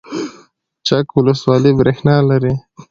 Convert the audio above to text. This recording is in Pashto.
چک ولسوالۍ بریښنا لري؟